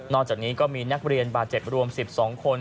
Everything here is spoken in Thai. จากนี้ก็มีนักเรียนบาดเจ็บรวม๑๒คน